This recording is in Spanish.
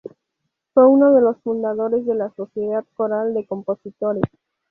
Fue uno de los fundadores de la Sociedad Coral de Compositores.